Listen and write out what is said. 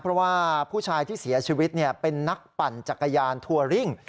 เพราะว่าผู้ชายที่เสียชีวิตเป็นนักปั่นจักรยานทัวริ่ง